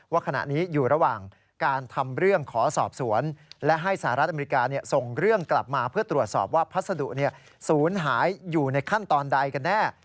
ว่าขณะนี้อยู่ระหว่างการทำเรื่องขอสอบสวนและให้สหรัฐอเมริกาส่งเรื่องกลับมาเพื่อตรวจสอบว่าพัสดุศูนย์หายอยู่ในขั้นตอนใดกันแน่